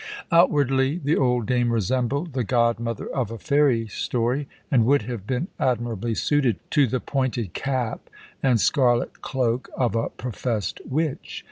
Outwardly the old dame resembled the godmother of a fairy story, and would have been admirably suited to the pointed cap and scarlet cloak of a professed witch.